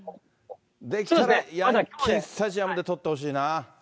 できたらヤンキースタジアムで捕ってほしいな。